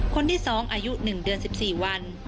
คนที่๒อายุ๑เดือน๑๔วัน